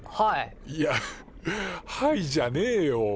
いや「はい」じゃねえよ。